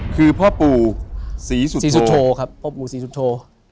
คือพ่อปู่ศรีสุโธ